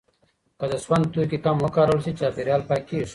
که د سون توکي کم وکارول شي، چاپیریال پاکېږي.